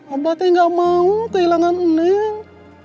abah tuh gak mau kehilangan neng